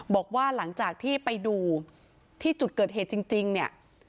บอกว่าหลังจากที่ไปดูที่จุดเกิดเหตุจริงเนี่ย